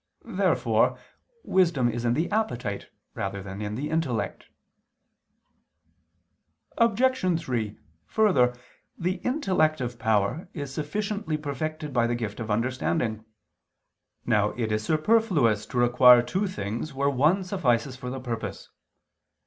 Therefore wisdom is in the appetite rather than in the intellect. Obj. 3: Further, the intellective power is sufficiently perfected by the gift of understanding. Now it is superfluous to require two things where one suffices for the purpose.